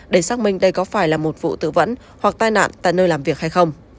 để xác minh đây có phải là một vụ tự vẫn hoặc tai nạn tại nơi làm việc hay không